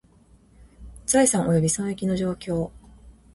財産および損益の状況